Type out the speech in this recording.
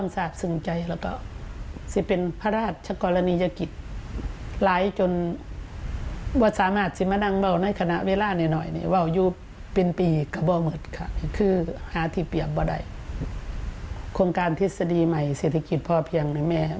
ตรงนี้หลายที่สุดเพราะว่าศิษย์ศิษย์พ่อเพียง